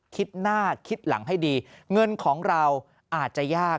คิดหน้าคิดหลังให้ดีเงินของเราอาจจะยาก